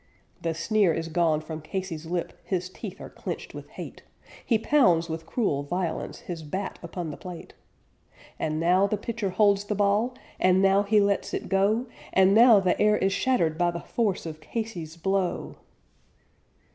The sneer is gone from Casey's lip, his teeth are clenched with hate; He pounds with cruel violence his bat upon the plate; And now the pitcher holds the ball, and now he lets it go, And now the air is shattered by the force of Casey's blow.